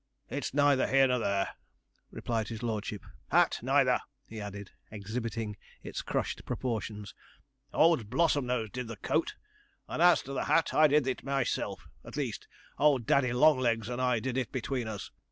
it's neither here nor there,' replied his lordship; 'hat neither,' he added, exhibiting its crushed proportions. 'Old Blossomnose did the coat; and as to the hat, I did it myself at least, old Daddy Longlegs and I did it between us.